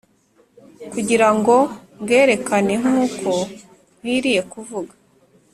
kugira ngo mbwerekane nk’uko nkwiriye kuvuga